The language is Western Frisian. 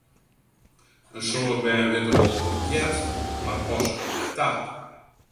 In soad bern witte wol hoe't it heart, mar passe it net ta.